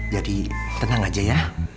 jadi tenang aja ya